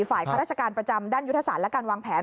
ข้าราชการประจำด้านยุทธศาสตร์และการวางแผน